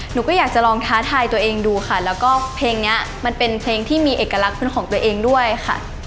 หนูก็อยากจะลองท้าทายตัวเองดูค่ะแล้วก็เพลงนี้มันเป็นเพลงที่มีเอกลักษณ์เป็นของตัวเองด้วยค่ะ